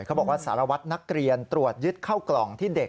เขาบอกว่าสารวัตรนักเรียนตรวจยึดเข้ากล่องที่เด็ก